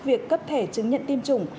việc cấp thẻ chứng nhận tiêm chủng